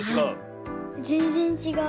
ぜんぜんちがう。